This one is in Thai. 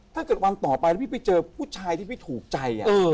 ถ้าเกิดวันต่อไปแล้วพี่ไปเจอผู้ชายที่พี่ถูกใจ